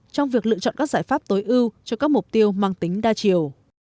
trong việc lựa chọn các giải pháp tối ưu cho các mục tiêu mang tính đa chiều